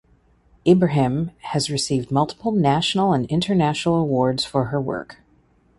Ebrahim has received multiple national and international awards for her work.